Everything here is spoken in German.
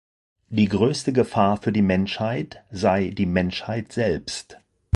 Die größte Gefahr für die Menschheit sei die Menschheit selbst.